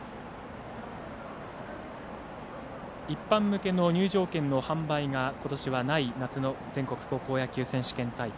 一般向けの入場券の販売がことしはない夏の全国高校野球選手権大会。